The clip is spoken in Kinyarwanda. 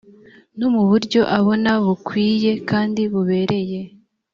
no muburyo abona bukwiye kandi bubereye